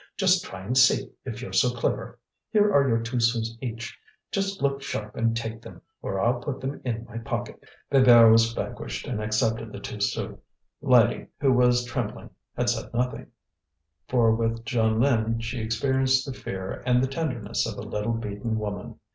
Just try and see, if you're so clever. Here are your two sous each. Just look sharp and take them, or I'll put them in my pocket." Bébert was vanquished and accepted the two sous. Lydie, who was trembling, had said nothing, for with Jeanlin she experienced the fear and the tenderness of a little beaten woman.